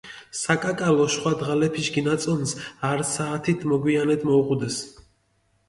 საკაკალო, შხვა დღალეფიშ გინაწონს, ართ საათიშ მოგვიანეთ მოუღუდეს.